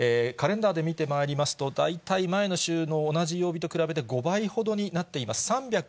カレンダーで見てまいりますと、大体前の週の同じ曜日と比べて５倍ほどになっています。